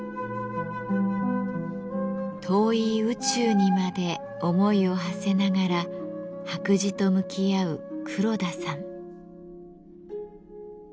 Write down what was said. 遠い宇宙にまで思いをはせながら白磁と向き合う黒田さん。